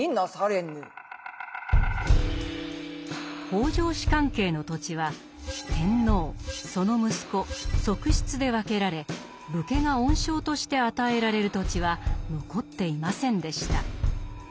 北条氏関係の土地は天皇その息子側室で分けられ武家が恩賞として与えられる土地は残っていませんでした。